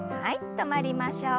止まりましょう。